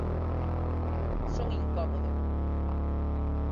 Son incómodo.